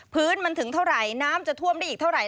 พื้นมันถึงเท่าไหร่น้ำจะท่วมได้อีกเท่าไห